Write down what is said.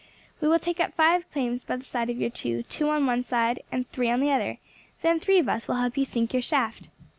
We will take up five claims by the side of your two, two on one side and three on the other; then three of us will help you sink your shaft.